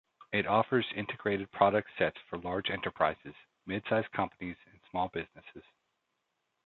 It offers integrated product sets for large enterprises, mid-sized companies and small businesses.